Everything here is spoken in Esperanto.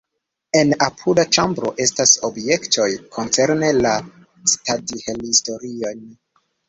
En apuda ĉambro estas objektoj koncerne la citadelhistorion.